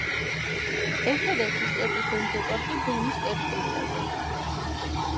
ერთადერთი სტეპის დენდროპარკი დონის ტერიტორიაზე.